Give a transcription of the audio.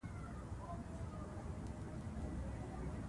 که باران راشي، فصل به ښه وي.